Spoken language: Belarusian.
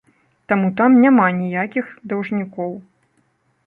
Таму там няма ніякіх даўжнікоў.